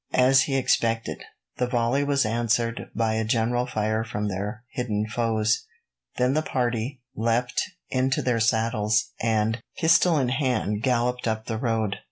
As he expected, the volley was answered by a general fire from their hidden foes. Then the party leapt into their saddles, and, pistol in hand, galloped up the road.